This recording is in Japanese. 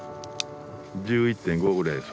１１．５ぐらいです